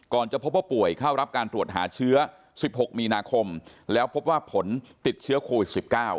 จะพบว่าป่วยเข้ารับการตรวจหาเชื้อ๑๖มีนาคมแล้วพบว่าผลติดเชื้อโควิด๑๙